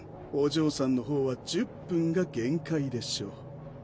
お嬢さんの方は１０分が限界でしょう。